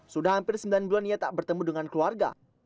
sudah hampir sembilan bulan ia tak bertemu dengan keluarga